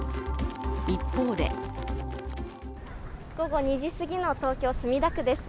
一方で午後２時すぎの東京・墨田区です。